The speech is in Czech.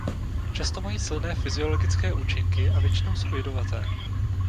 Často mají silné fyziologické účinky a většinou jsou jedovaté.